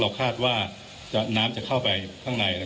คุณผู้ชมไปฟังผู้ว่ารัฐกาลจังหวัดเชียงรายแถลงตอนนี้ค่ะ